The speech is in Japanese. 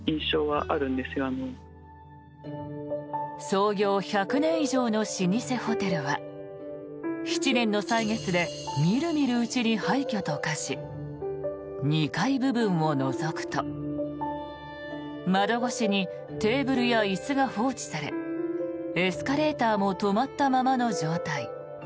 創業１００年以上の老舗ホテルは７年の歳月で見る見るうちに廃虚と化し２階部分をのぞくと窓越しにテーブルや椅子が放置されエスカレーターも止まったままの状態。